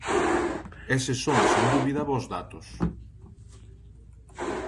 Eses son, sen dúbida, bos datos.